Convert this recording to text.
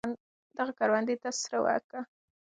ودغه کروندې ته سره ورکه.